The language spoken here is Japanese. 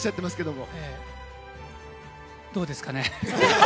どうですかね。